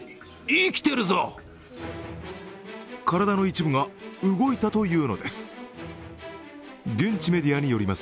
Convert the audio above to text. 体の一部が動いたというのです。